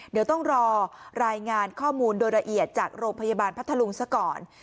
เดี๋ยวต้องรอรายงานข้อมูลโดยละเอียดจากโรงพยาบาลพัทธลุงซะก่อน